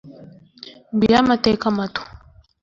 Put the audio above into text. Ngiyo amateka mato